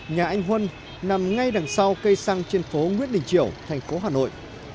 nhà anh huân nằm ngay đằng sau cây xăng trên phố nguyễn đình triều thành phố hà nội